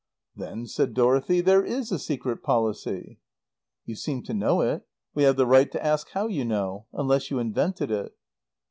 "Then," said Dorothy, "there is a secret policy?" "You seem to know it. We have the right to ask how you know? Unless you invented it."